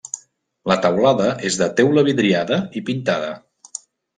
La teulada és de teula vidriada i pintada.